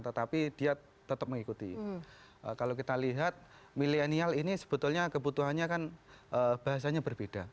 tetapi dia tetap mengikuti kalau kita lihat milenial ini sebetulnya kebutuhannya kan bahasanya berbeda